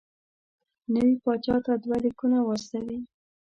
نوي پاچا ته دوه لیکونه واستوي.